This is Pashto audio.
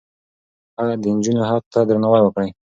د نجونو حق ته درناوی وکړه.